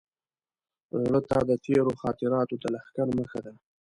زړه ته د تېرو خاطراتو د لښکر مخه ده.